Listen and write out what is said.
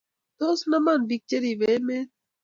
Tos, naman biik cheribe emet